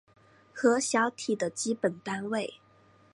核小体的基本单位。